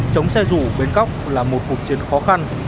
chống xe rủ bến cóc là một cuộc chiến khó khăn